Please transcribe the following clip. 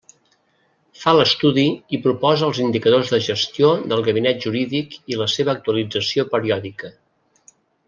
Fa l'estudi i proposa els indicadors de gestió del Gabinet Jurídic i la seva actualització periòdica.